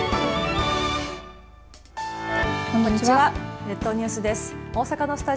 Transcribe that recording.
こんにちは。